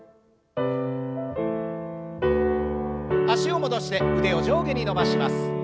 脚を戻して腕を上下に伸ばします。